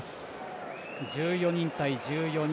１４人対１４人。